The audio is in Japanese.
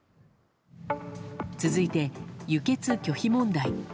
続いて、輸血拒否問題。